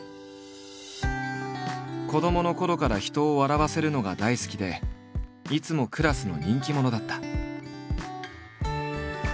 子どものころから人を笑わせるのが大好きでいつもクラスの人気者だった。